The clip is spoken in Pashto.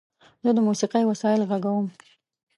زه د موسیقۍ وسایل غږوم.